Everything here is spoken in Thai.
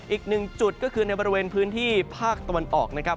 อีกหนึ่งจุดก็คือในบริเวณพื้นที่ภาคตะวันออกนะครับ